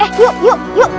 eh yuk yuk yuk